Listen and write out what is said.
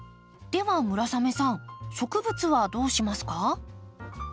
では村雨さん植物はどうしますか？